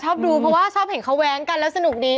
ชอบดูเพราะว่าชอบเห็นเขาแว้งกันแล้วสนุกดี